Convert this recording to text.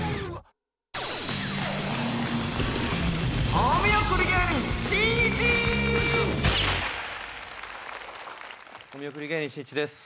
お見送り芸人しんいちです。